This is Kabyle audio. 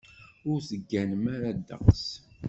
Ur tegganem ara ddeqs.